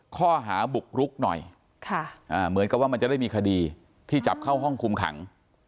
ข้อหาบุกรุกหน่อยเหมือนกับว่ามันจะได้มีคดีที่จับเข้าห้องคุมขัง